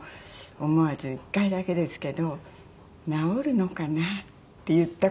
思わず１回だけですけど「治るのかな？」って言った事があったんですよ。